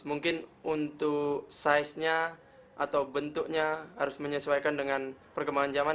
mungkin untuk size nya atau bentuknya harus menyesuaikan dengan perkembangan zaman